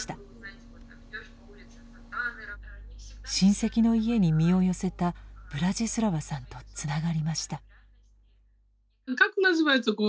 親戚の家に身を寄せたブラジスラワさんとつながりました。